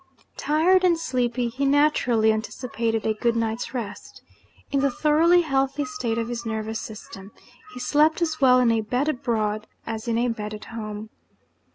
Tired and sleepy, he naturally anticipated a good night's rest. In the thoroughly healthy state of his nervous system, he slept as well in a bed abroad as in a bed at home.